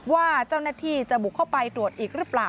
ว่าเจ้าหน้าที่จะบุกเข้าไปตรวจอีกหรือเปล่า